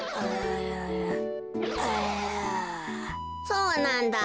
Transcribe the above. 「そうなんだ。